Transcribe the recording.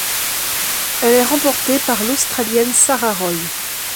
Elle est remportée par l'Australienne Sarah Roy.